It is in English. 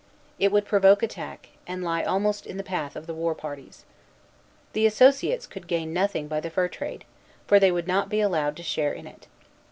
It would provoke attack, and lie almost in the path of the war parties. The associates could gain nothing by the fur trade; for they would not be allowed to share in it.